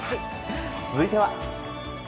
続いては。